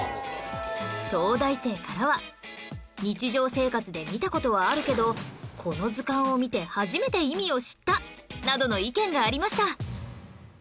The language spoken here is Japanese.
東大生からは「日常生活で見た事はあるけどこの図鑑を見て初めて意味を知った」などの意見がありました